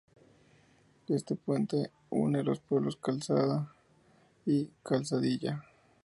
Este puente une los pueblos Calzada y Calzadilla.